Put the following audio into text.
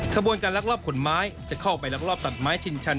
ขบวนการลักลอบขนไม้จะเข้าไปลักลอบตัดไม้ชินชัน